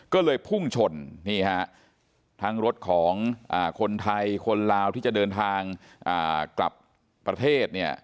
ก็เลยพุ่งชนนี่ฮะทั้งรถของคนไทยคนลาวที่จะเดินทางกลับประเทศเนี่ย